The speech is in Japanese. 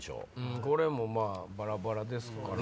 これもバラバラですから。